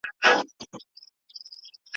ما يې لوستي پر تندي لیکلي کرښي